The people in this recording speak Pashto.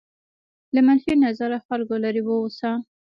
له منفي نظره خلکو لرې واوسه.